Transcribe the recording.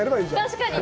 確かに。